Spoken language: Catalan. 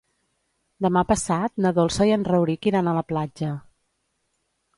Demà passat na Dolça i en Rauric iran a la platja.